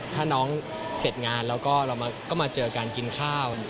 ถ้าน้องเสร็จงานแล้วก็เราก็มาเจอการกินข้าว